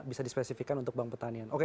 bisa dispesifikan untuk bank petanian oke